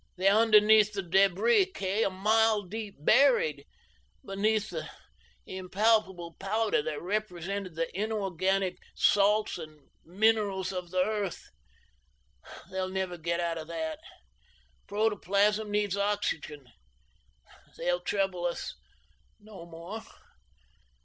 They're underneath the debris, Kay, a mile deep, buried, beneath the impalpable powder that represented the inorganic salts and minerals of the earth. They'll never get out of that. Protoplasm needs oxygen. They'll trouble us no more.